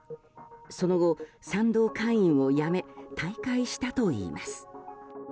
その後、賛同会員を辞め退会したといいます。